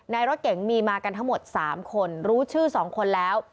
ในรถเก๋งมีมากันทั้งหมด๓คนรู้ชื่อ๒คนแล้ว